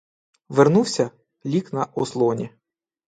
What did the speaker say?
Вернувся, ліг на ослоні.